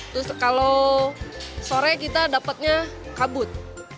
terus kalau sore kita dapatnya kabut